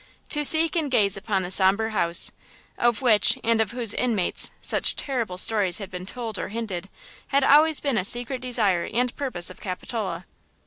To seek and gaze upon the somber house, of which, and of whose inmates, such terrible stories had been told or hinted, had always been a secret desire and purpose of Capitola.